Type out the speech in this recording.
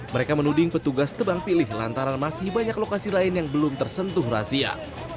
mereka menuding petugas tebang pilih lantaran masih banyak lokasi lain yang belum tersentuh razia